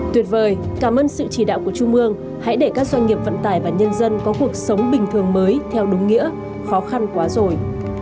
tuyệt vời cảm ơn sự chỉ đạo của trung mương hãy để các doanh nghiệp vận tải và nhân dân có cuộc sống bình thường mới theo đúng nghĩa khó khăn quá rồi